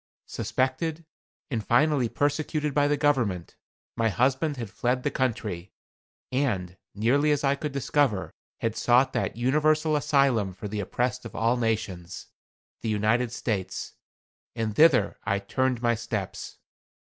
Suspected, and finally persecuted by the government, my husband had fled the country, and, nearly as I could discover, had sought that universal asylum for the oppressed of all nations the United States. And thither I turned my steps.